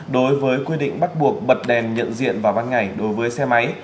đối với quy định bắt buộc bật đèn nhận diện vào ban ngày đối với xe máy